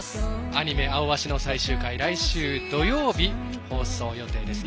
アニメ「アオアシ」最終回来週土曜日放送予定です。